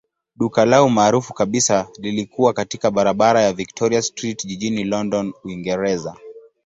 Duka lao maarufu kabisa lilikuwa katika barabara ya Victoria Street jijini London, Uingereza.